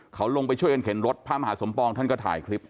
เขาลงไปช่วยกันเข็นรถพระมหาสมปองท่านก็ถ่ายคลิป